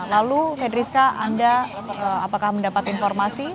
lalu hedriska anda apakah mendapat informasi